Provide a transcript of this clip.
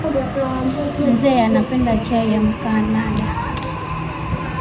Mzee anapenda chai ya mkanada